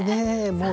もう